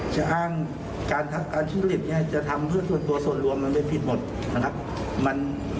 จะอ้างการชื่อผลิตเนี่ยจะทำเพื่อตัวส่วนรวมมันเป็นผิดหมดนะครับ